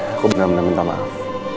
aku benar benar minta maaf